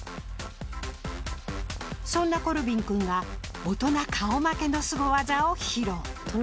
そんなコルビン君が大人顔負けのスゴ技を披露。